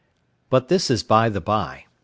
But this is by the bye.